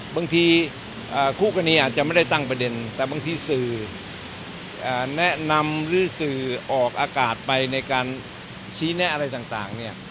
คู่กรณีอาจจะไม่ได้ตั้งประเด็นแต่บางทีสื่อแนะนำหรือสื่อออกอากาศไปในการชี้แนะอะไรต่างเนี่ย